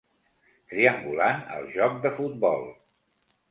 Triangulant el joc de futbol.